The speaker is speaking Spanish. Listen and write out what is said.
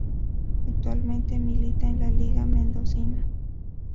Actualmente milita en la Liga Mendocina.